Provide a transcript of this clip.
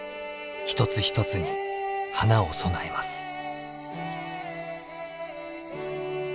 一つ一つに花を供えます。